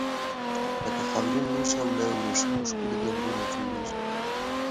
لکه خاورین لوښي او له وریښمو ښکلي ګنډونه جوړیږي.